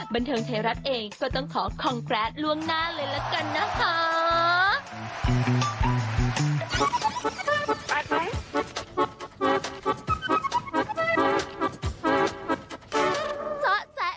บันเทิงไทยรัฐเองก็ต้องขอคองแกรสล่วงหน้าเลยละกันนะคะ